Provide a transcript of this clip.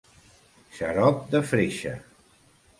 Xarop de freixe.